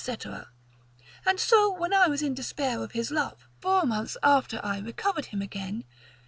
and so when I was in despair of his love, four months after I recovered him again.